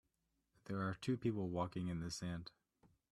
There are two people walking in the sand.